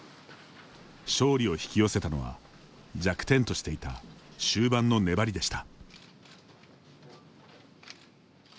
勝利を引き寄せたのは弱点としていた終盤の粘りでした。